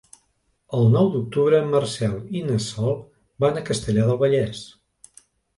El nou d'octubre en Marcel i na Sol van a Castellar del Vallès.